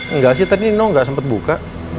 enggak sih tadi nino gak sempet buka